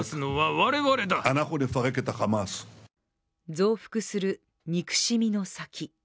増幅する憎しみの先。